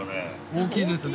大きいですね。